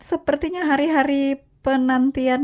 sepertinya hari hari penantian